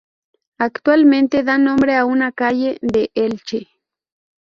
Actualmente, da nombre a una calle de Elche.